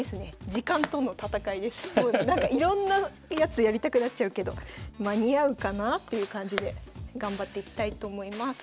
時間との闘いですごいなんかいろんなやつやりたくなっちゃうけど間に合うかな？という感じで頑張っていきたいと思います。